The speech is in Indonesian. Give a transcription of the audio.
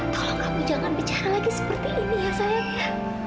kalau kamu jangan bicara lagi seperti ini ya sayangnya